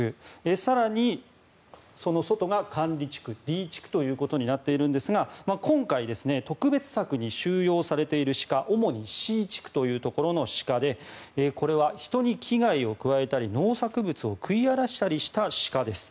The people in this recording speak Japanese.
更に、その外が管理地区Ｄ地区ということになっているんですが今回、特別柵に収容されている鹿主にＣ地区というところの鹿でこれは人に危害を加えたり農作物を食い荒らしたりした鹿です。